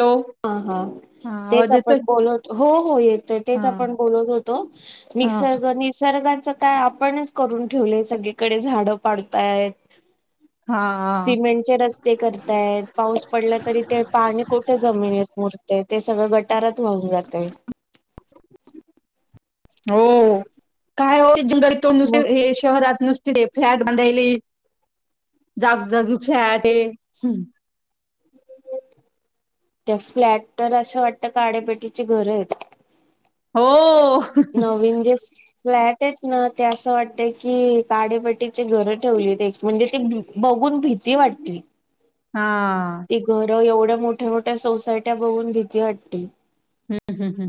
Hello हा-हा हा तेच आवाज येतोय आपण बोलत हो-हो येत तेच हा आपण बोलत होतो हा निसर्ग निसर्गाच काय आपणच करून ठेवलंय सगळीकड झाडं पडताय. हा हा सिमेंटचे रस्ते करताय पाऊस पडला तरी ते पाणी कुठ जमिनीत मुरतय ते सगळं गटारात वाहून जातंय. हो काय हो जंगल तोड नुस मग हे शहरात नुसती फ्लॅट बांधायले जागजागी फ्लॅटतेय त्या फ्लॅट तर असं वाटतं काड्यापेटीची घर येत. हो. नवीन जस्ट. फ्लॅट आहेत ना ते असं वाटतय की काडेपटीचे घरं ठेवली ते म्हणजे ती बघून भीती वाटती. हा. ती घरं एवढ्या मोठ्या-मोठ्या सोसायट्या बघून भीती वाटती. हम्मं-हम्मं.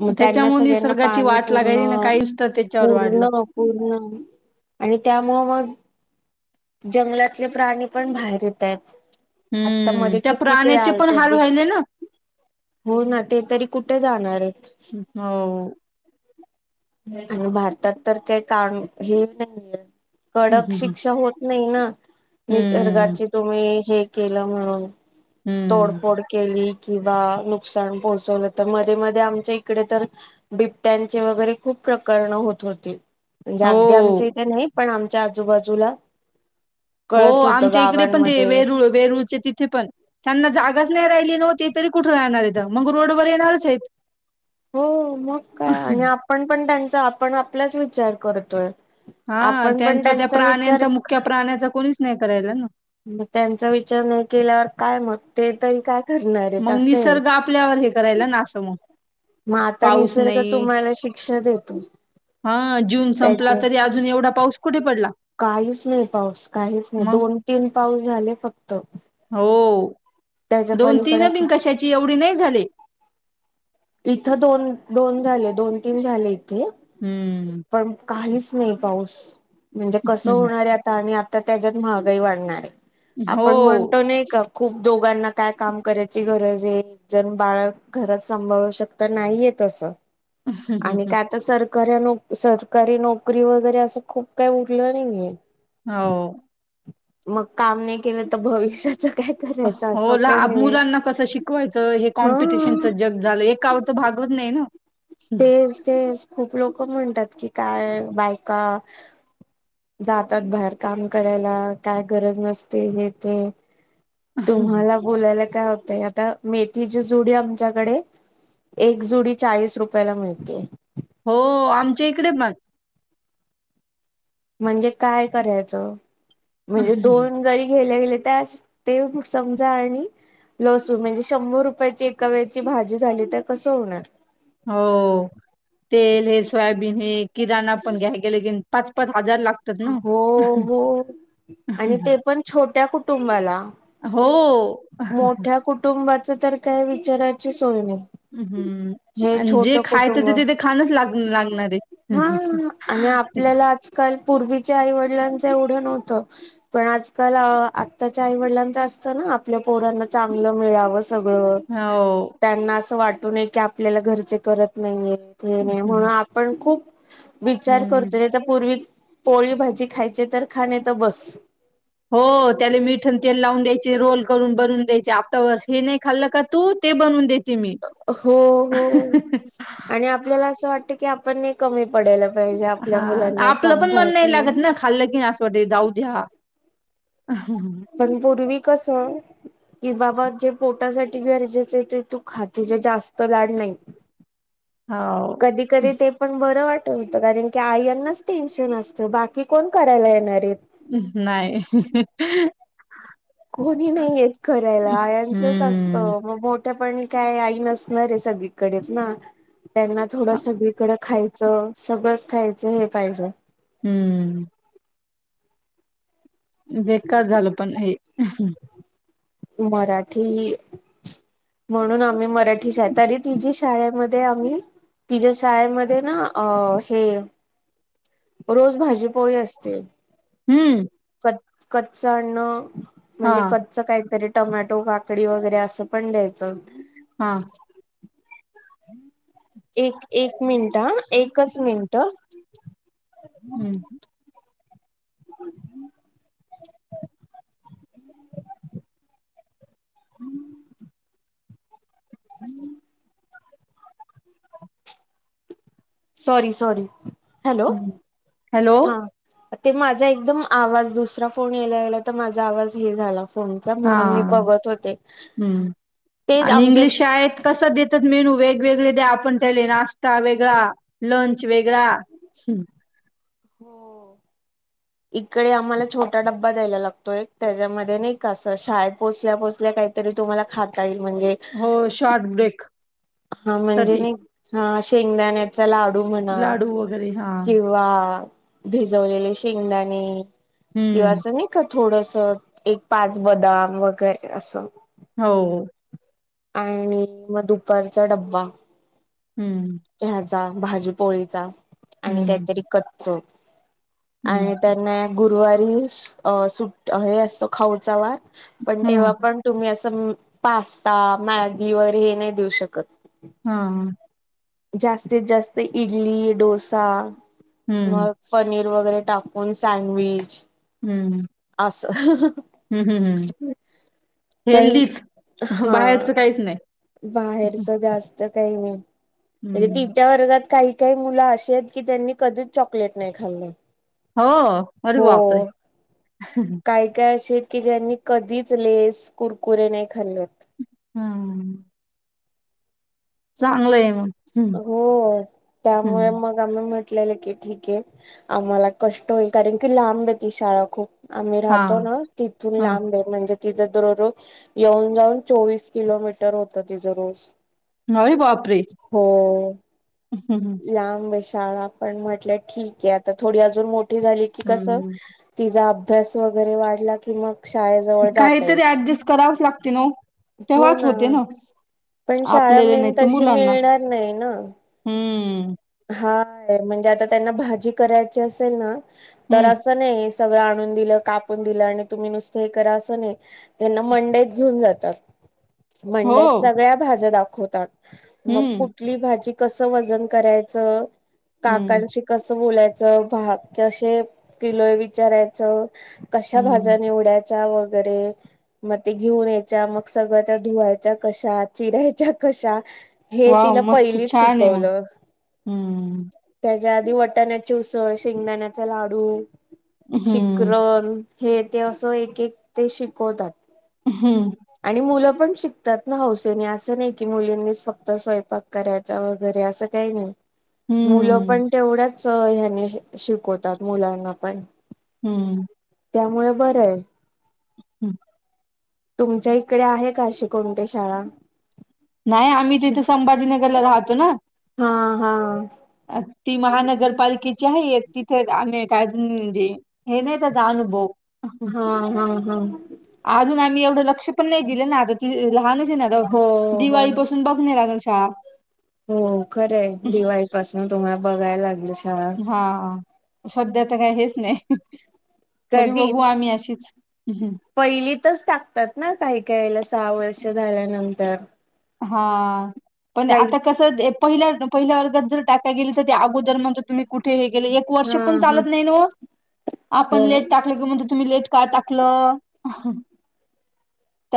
मग त्यांना त्याच्यामुळ सगळ्यांना निसर्गाची पाणी वाट पूर्ण लागायली ना काहीच तर त्याच्यावर वाढलं. पूर्ण पूर्ण आणि त्यामुळं मग जंगलातले प्राणी पण बाहेर येता येत. आता हम्म मध्ये त्या किती ते प्राण्याचे पण आलत हाल व्हायले ना हो ना ते तरी कुठे जाणारेत. हो. [unintelligible] आणि भारतात तर काही काण हे नाहीये हम्म कडक हम्म शिक्षा होत नाही ना हम्म हम्म निसर्गाची तुम्ही हे केलं म्हणून हम्म तोडफोड केली. किंवा नुकसान पोहोचवलं तर मध्ये-मध्ये आमच्या इकडे तर बिबट्यांचे वगैरे खूप प्रकरण होत होती म्हणजे अगदी आमच्या हो इथे नाही पण आमच्या आजूबाजूला हो कळत होतं आमच्या इकडे पण ते गावांमध्ये वेरूळ वेरूळचे तिथे पण. त्यांना जागाच नाही राहिली नव्हती तरी कुठे राणार आहेथ मग रोडवर येणारच आहेत. हो मग काय आणि आपण पण त्यांचा आपण आपलाच विचार करतोय. हा आपण पण त्यांचा त्या विचार प्राण्यांचा मुक्या प्राण्यांचा कोणीच नाही करायला ना. मग त्यांचा विचार नाही केल्यावर काय मग ते तरी काय करणार आहेत मग असं आहे निसर्ग आपल्यावर हे करायला ना असं मग. मग आता पाऊस निसर्ग नाही तुम्हाला शिक्षा देतो. हा जून संपला त्याचे तरी अजून एवढा पाऊस कुठे पडला? काहीच नाही पाऊस काहीच नाही मग दोन तीन पाऊस झाले फक्त. हो त्याच्या दोन पलीकडे तीन बिन कशाची एवढी नाही झाले इथं दोन-दोन झाले दोन तीन झाले इथं. हम्म. पण काहीच नाही पाऊस म्हणजे कस हम्म. होणार आहे आता आणि तर त्याच्यात महागाई वाढणार आहे हो आपण म्हणतो नाही का खूप दोघांना काय काम करायची गरज आहे? एकजण बाळ घरात सांभाळ शक्य तर नाहीय तसं, आणि काय सर? कारण सरकारी नोकरी वगैरे असं खूप काही उरलं नाहीये. हो. मग काम नाही केलं तर भविष्याचं काय? करायचं असं हो, ला पण आहे मुलांना कसं शिकवायचं? हे हा कॉम्पिटिशनच जग झालं, एकवत भागवत नाही न. तेच-तेच खूप लोक म्हणतात की, काय बायका! जातात बाहेर काम करायला, काय गरज नसते हे ते? तुम्हाला बोलायला काय होतंय आता? मेथीची जुडी आमच्याकडे. एक जुडी चाळीस रुपयाला मिळतीये. हो-हो, आमच्या इकडे पण. म्हणजे काय करायचं? म्हणजे दोन जरी गेले, गेले त्यास. ते म समजा आणि लसूण म्हणजे शंभर रुपयाची एका वेळची भाजी झाली तर, कसं होणार? हो, तेल हे सोयाबीन हे किराणा पण घ्या. गेलं की, पाच-पाच हजार लागत. हो-हो, आणि ते पण छोट्या कुटुंबाला. हो. मोठ्या कुटुंबाच तर काय विचाराची सोय नाही. हम्, हे आणि छोट जे खायचं कुटुंब ते ते ते खाणचं लाग लागणारे. हा आणि आपल्याला आजकाल पूर्वीच्या आईवडिलांचं एवढं नव्हतं. पण आजकाल, आत्ताच्या आईवडिलांच असतं ना. आपल्या पोरांना चांगलं मिळावं, सगळं. हो त्यांना असं वाटू नये की आपल्याला घरचे करत नाहीयेत हे नाही म्हणून हम्म. आपण खूप विचार करतोय तर पूर्वी पोळी भाजी खायची, तर खा, नाहीतर बस. हो, त्याला मीठं तेल लावून द्यायचे, रोल करून बनवून द्यायचे, आता वर् हे नाही खाल्लं का तू? ते बनून दे. हो-हो, आणि आपल्याला असं वाटत की आपण एक कमी पडायला पाहिजे आपल्या हां, मुलांना आपलं पण मन नाही सांभाळयचं. लागत ना खाल्लं की असं वाटे, जाऊ द्या. पण पूर्वी कसं कि बाबा, जे पोटासाठी गरजेचे ते तू खा. तुझे जास्त लाड नाही. [inaudible] हाव. कधी-कधी ते पण बरं वाटत होतं, कारण की आईंनाचं टेन्शन असतं. बाकी कोण करायला येणार आहेत? नाही. कोणी नाही येत करायला, आयाचंच असत हम्म. म मोठ पण काय, आई नसणार आहे सगळीकडेच ना? त्यांना थोडं सगळीकडे खायचं. सगळंच खायचं हे पाहिजे. हम्म. बेकार झालं पण हे. मराठी. म्हणून आम्ही मराठी शाळ तरी तिझी शाळेमध्ये आम्ही तिज्या शाळेमध्ये ना, अ हे रोज भाजी-पोळी असते. हम्म. कच कच्च अन्न. म्हणजे हां, क च काहीतरी टमॅटो, काकडी वगैरे असं पण द्यायचं. हा. एक एक मिनिट अ. एकच मिनट. हं, [unintelligible] [unintelligible] [unintelligible] [unintelligible] सॉरी सॉरी. हॅलो. हं. हॅलो? हा. ते माझा एकदम आवाज, दुसरा फोन येला गेला त माझा आवाज हे झाला. फोनचा. म्हणून मी हां. बघत होते. तेच आमच्या कस देतात मेनू? वेगवेगळे द्या. आपण त्याले नाश्ता वेगळा लंच वेगळा. हो. इकडे आम्हाला छोटा ड्बा द्यायला लागतो एक. त्याच्यामध्ये नाही का असं शाळेत पोचल्या पोचल्या काही तरी तुम्हाला खाता येईल. म्हणजे, हो शॉर्ट ब्रेक हा म्हणजे साठी नाही हा शेंगदाण्याचा लाडू म्हणा. लाडू वगैरे हा किंवा भिजवलेले शेंगदाणे. किंवा हम्म असं नी का थोडस. एक पाच बदाम वगैरे असं. हो. आणि म दुपारचा डब्बा. हम्म. ह्याचा, भाजीपोळीचा. आणि हम्म काहीतरी कच्च. हम्म आणि त्यांना गुरुवारी सुट हे असतो. खाऊचा वार. पण तेव्हा हम्म पण तुम्ही असं पास्ता मॅगी वगैरे हे नाही देऊ शकत. ह ह. जास्तीत जास्त इडली, डोसा हम्म मग पनीर वगैरे टाकून सँडविच. हम्म हम्म. अस, हम्म हम्म पण, हेल्दीच हा. बाहेरचं काहीच नाही बाहेरच जास्त काही नाही. म्हणजे हम्म तिच्या वर्गात काही काही मुलं अशेयेत की, त्यांनी कधीच चॉकलेट नाही खाल्लं. हो अरे बापरे हो. काय काय असे की ज्यांनी कधीच लेस, कुरकुरे नाही खाल्ल. ह, ह, ह. चांगलंय मग. हम्म हो त्यामुळे हम्म मग, मग म्हटलेलं की ठीके. आम्हाला कष्ट होईल. कारण की लांबे ती शाळा खूप. आम्ही हा राहतो ना, तिथून हा लांबे. म्हणजे तिचां दुररोज, येऊन जाऊन चोवीस किलोमीटर होतं. तिचं रोज. अरे बाप रे. हो. [unintelligible] लांब शाळा पण म्हटल्या ठीके आता. थोडी अजून मोठी झाली की कसं, हम्म तिचा अभ्यास वगैरे वाढला कि मग शाळेजवळ जातईल काहीतरी ऍडजस्ट करावच लागते ना ओ. हो तेव्हाच ना होते पण शाळा आपल्याला मेन नाही तर तशी मुलांना मिळणार नाही ना? हम्म हाय म्हणजे आता त्यांना भाजी करायची असेल ना तर हम्म असं नाही. सगळं आणून दिलं कापून दिलं आणि तुम्ही नुसतं हे करा असं नाही. त्यांना मंडईत घेऊन जातात. हो मंडईत सगळ्या भाज्या दाखवतात मग हम्म कुठली भाजी कसं वजन करायचं हम्म काकांची कसं बोलायचं भाग कसे किलो विचारायचं. कशा भाज्या हम्म निवडायच्या वगैरे मग ते घेऊन यायच्या मग सगळं त्या धुवायच्या कशा चिरा्यायच्या कशा हे वाव तिला मस्त पहिलीच छान आहे मग शिकवलं. हम्म त्याच्या आधी वटाण्याची उसळ, शेंगदाण्याचा लाडू, हम्म शिकरण हे ते असं एक एक ते शिकवतात. हम्म आणि मुलं पण शिक तात ना हौसेने असं नाही की मुलींनीच फक्त स्वयंपाक करायचा वगैरे असं काही नाही मुलं हम्म पण तेवढ्याच ह्याने शिकवतात मुलांना पण हम्म त्यामुळे बरं आहे. हम्म तुमच्या इकडे आहे का अशी कोणती शाळा? नाही आम्ही तिथे संभाजीनगरला राहतो ना. हा हा ती महानगरपालिके तिथे आम्ही काय हे नाही त्याचा अनुभव हा हा हम अजून आम्ही एवढं लक्ष पण नाही दिलं ना आता त लहानच आहे ना आता हो हो दिवाळी पासून बघणे रा शाळा. हो खरं आहे दिवाळीपासून तुम्हाला बघायला लागलं शाळा हा हा सध्या तर काही हेच नाही तरी बघू आम्ही अशीच हमंम पहिली तच टाकतात ना काही काही सहा वर्ष झाल्यानंतर हा पण काही आता कस पहि पहिल्या वर्गात जर टाकाय गेली तर त्या अगोदर म्हण तुम् कुठे हे ग एक हा वर्ष पण हा चालत नाही आपण हो लेट टा की म्हटलं तुम्ही लेट का टाकलं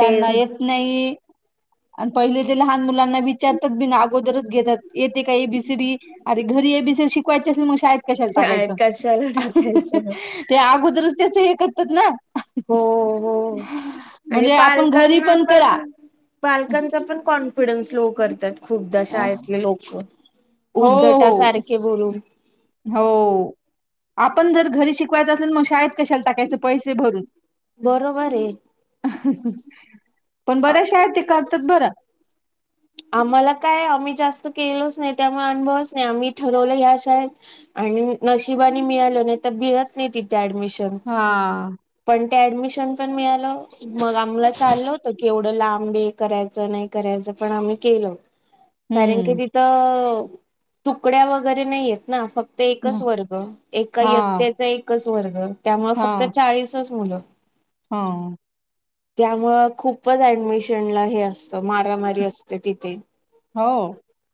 ते येत नाही. आणि पहिले ते लहान मुलांना विचारतात बी ना अगोदरच घेतात येते का ए बीसीडी अरे घरी ए बिसे शिकवायचे असेल मग शाळेत कशाला शाळेत टाकायचं. कशाला टाकायचं ते अगोदरच त्याचं हे करतात ना हो हो आणि म्हणजे आपण घरी पालकांना करा पण पालकांचा पण कॉन्फिडन्स लो करतात. खुपदा अं, शाळेतले लोक हो, हो, उद्धटासारखे बोलून हो आपण जर घरी शिकवायचं असेल मग शाळेत कशाला टाकायचं पैसे भरून बरोबर आहे. पण बऱ्याश आहेत ते करतात बरं. आम्हाला काय आम्ही जास्त केलोच नाही त्यामुळे अनुभव नाही आम्ही ठरवलं ह्या शाळेत. आणि नशिबाने मिळालं नाही तर भियत नाही तिथे ऍडमिशन. हा, पण ते ऍडमिशन पण मिळालं मग आम्हाला चाललं होत की एवढं. लांब करायचं नाही करायचं पण आम्ही केलं कारण की हं, ती ''--'' तर तुकड्या वगैरे नाही येत ना फक्त. ते एकच वर्ग एका हां, इत्तेचा एकच वर्ग त्यामुळे फक्त चाळीसच मुलं. हाव, त्यामुं खूपच ऍडमिशनला हे असतं मारामारी असते तिथे. हो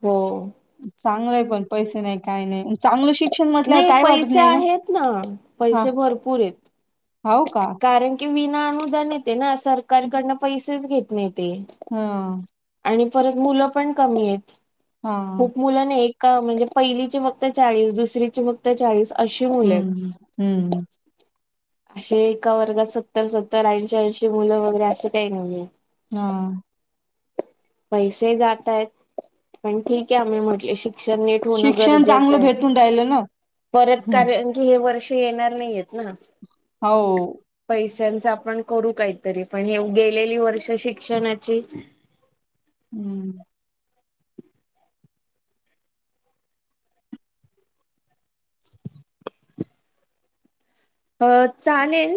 हो चांगलंय पण पैसे नाही काही नाही. चांगलं शिक्षण म्हटल्या नाही काय वाटत पैसे नाही ना आहेत हा, पैसे भरपूर आहेत हो का, कारण की, विना अनुदान येते ना सरकारकडन पैसेच घेत नाहीेत. हा, आणि परत मुलं पण कमी आहेत. हां, खूप मुलं नाही ए म्हणजे पहिलीचे. फक्त चाळीस दुसरीची फक्त चाळीस अशी मुलं आहे. हं, हं, असे एका वर्गात सत्तर सत्तर ऐंशी ऐंशी मुलं वगैरे असं काही नाहीये. हा, पैसे जात आहेत पण ठीक आहे आम्ही म्हटले शिक''--'' अक्षरं नीट होणे शिक्षण गरजेचं चांगलं आहे भेटून राहिलं ना. परत हं, कारन. की हे वर्ष येणार नाहीयेत ना. हाव, पैशांच आपण करू काहीतरी पण हे ए गेलेली वर्ष शिक्षणाची. हम्म, अ चालेल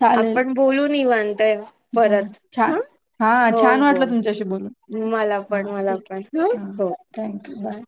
चालेल. आपण बोलू निवांत हां, परत छान ह, हां, हो छान हो, वाटलं तुमच्याशी बोलून. मला हा पण मला ठीक पण हा हो, थँक्यू बाय.